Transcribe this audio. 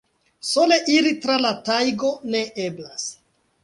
Sole iri tra la tajgo ne eblas!